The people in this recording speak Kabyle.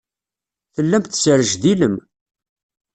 Tellam tesrejdilem.